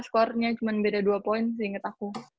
skornya cuma beda dua poin seinget aku